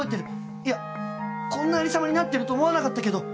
いやこんなありさまになってると思わなかったけど。